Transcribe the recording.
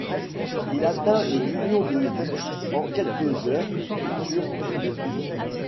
Il atteint le million de vues en quelques heures sur YouTube.